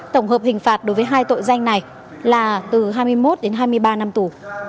tổng hợp hình phạt đối với hai tội danh này là từ hai mươi một đến hai mươi ba năm tù